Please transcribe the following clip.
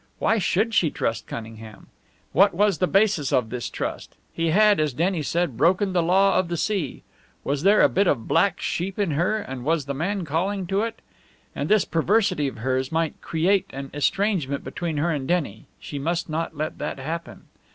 Why should she trust Cunningham? What was the basis of this trust? He had, as Denny said, broken the law of the sea. Was there a bit of black sheep in her, and was the man calling to it? And this perversity of hers might create an estrangement between her and Denny; she must not let that happen.